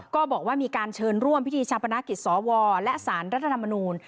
ก็บอกว่ามีการเชิญร่วมพิธีชาปนกิจสวและสารรัฐธรรมนูล